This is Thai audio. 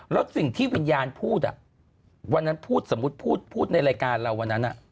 แล้วสิ่งที่วิญญาณพูดวันนั้นพูดสมมุติพูดพูดในรายการเราวันนั้น